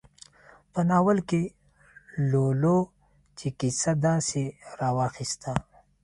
په ناول کې لولو چې کیسه داسې راواخیسته.